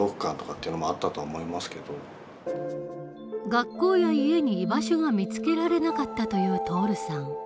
学校や家に居場所が見つけられなかったという徹さん。